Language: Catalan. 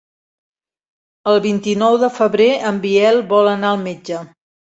El vint-i-nou de febrer en Biel vol anar al metge.